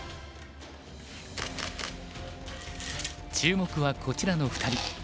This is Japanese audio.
注目はこちらの２人。